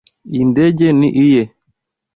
Iyi ndege ni iye.